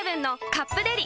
「カップデリ」